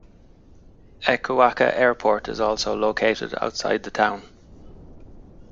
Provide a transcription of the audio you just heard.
Echuca Airport is also located outside the town.